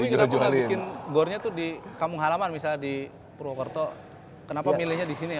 owi kenapa bikin gore nya tuh di kampung halaman misalnya di purwokerto kenapa milihnya disini ya